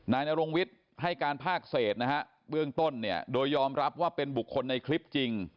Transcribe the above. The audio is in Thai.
นายนรงวิทย์ให้การภาคเศษนะฮะเบื้องต้นเนี่ยโดยยอมรับว่าเป็นบุคคลในคลิปจริง